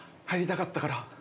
入りたかったから。